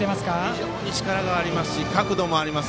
非常に力がありますし角度もあります。